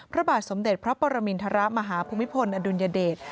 พระบาทสมเด็จพระปรมินทรมาฮภูมิพลอดุลยเดช